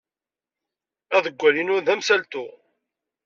Aḍewwal-inu d amsaltu.